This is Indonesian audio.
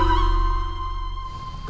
kamu tidak bisa mengelak